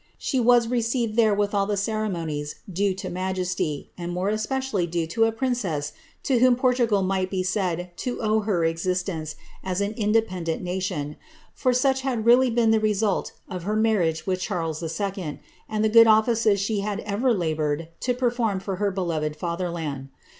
Slie was received there with all the ceremonies doe to majesty, and more especially due to a princess to whom Portugal xoigkt be said to owe her existence as an independent nation, for such hd really been the result of her marriage with Charles II., and the good oflices she had ever laboured to perform for her beloved fatherland.